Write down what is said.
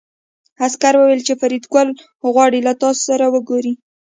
عسکر وویل چې فریدګل غواړي له تاسو سره وګوري